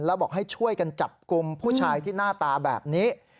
แล้วบอกให้ช่วยกันจับกลุ่มผู้ชายที่หน้าตาแบบนี้